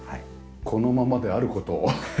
このままである事を。